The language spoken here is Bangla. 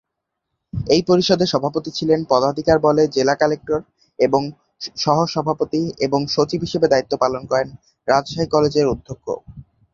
এই পরিষদের সভাপতি ছিলেন পদাধিকার বলে জেলা কালেক্টর এবং সহ-সভাপতি এবং সচিব হিসেবে দায়িত্ব পালন করেন রাজশাহী কলেজের অধ্যক্ষ।